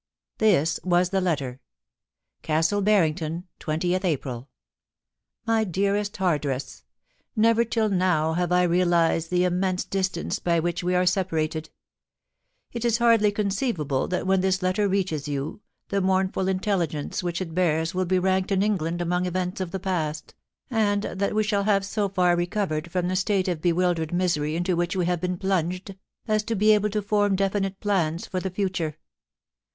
This was the letter :' Castle Barrington, * 20th April. ' My dearest Hardress, * Never till now have I realised the immense distance by which we are separated It is hardly conceivable that when this letter reaches you, the mournful intelligence which it bears will be ranked in England among events of the past, and that we shall have so far recovered from the state of be wildered misery into which we have been plunged, as to be able to form definite plans for the future.